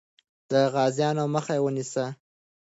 د غازیانو مخه ونیسه.